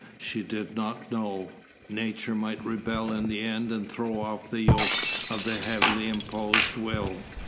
She did not know. Nature might rebel in the end and throw off the yoke of the heavily imposed will.